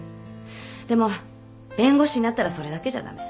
でも弁護士になったらそれだけじゃ駄目。